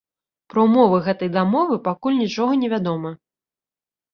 Пра ўмовы гэтай дамовы пакуль нічога не вядома.